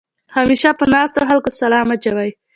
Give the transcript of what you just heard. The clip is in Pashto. همېشه په ناستو خلکو سلام اچوې.